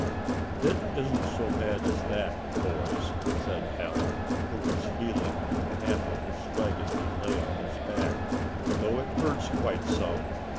"It isn't so bad as that, boys," said Allan, who was feeling of the calf of his leg as he lay on his back, "though it hurts quite some.